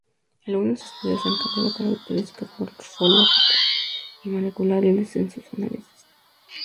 Algunos estudios han combinado características morfológicas y moleculares en sus análisis.